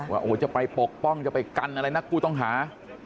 ว่าจะไปปกป้องจะไปกันอะไรนักผู้ต้องหา